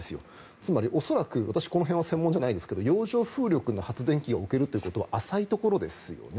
つまり、恐らく私、この辺は専門じゃないですけど洋上風力の発電を受けるのは浅いところですよね。